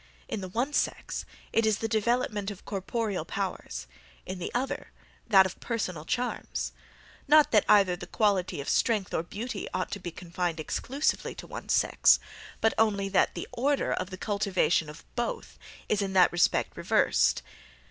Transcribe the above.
In the one sex it is the developement of corporeal powers; in the other, that of personal charms: not that either the quality of strength or beauty ought to be confined exclusively to one sex; but only that the order of the cultivation of both is in that respect reversed.